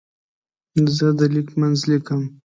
زه د لیک منځ لیکم.